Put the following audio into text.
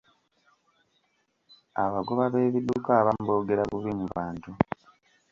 Abagoba b'ebidduka abamu boogera bubi mu bantu.